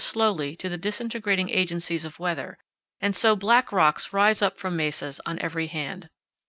slowly to the disintegrating agencies of weather, and so black rocks rise up from mesas on every hand.